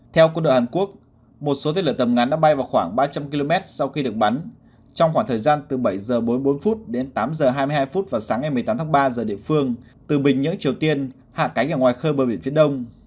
theo quân đội hàn quốc một số tên lửa tầm ngắn đã bay vào khoảng ba trăm linh km sau khi được bắn trong khoảng thời gian từ bảy h bốn mươi bốn đến tám h hai mươi hai phút vào sáng ngày một mươi tám tháng ba giờ địa phương từ bình nhưỡng triều tiên hạ cánh ở ngoài khơi bờ biển phía đông